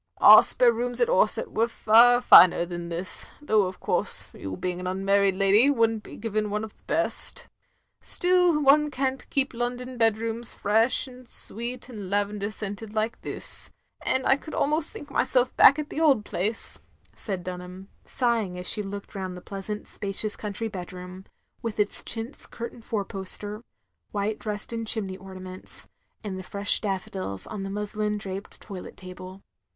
Our spare rooms at Orsett was far finer than this, though of course, you being an tinmarried lady would n't be given one of the best. Still, one can't keep London bedrooms fresh and sweet and lavender scented like this, and I could al most think myself back at the old place," said Dunham, sighing as she looked rotmd the pleasant spacious coimtry bedroom; with its chintz curtained four poster, white Dresden chimney ornaments, and the fresh daflEodils on the muslin draped toilet table.